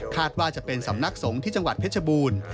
ว่าจะเป็นสำนักสงฆ์ที่จังหวัดเพชรบูรณ์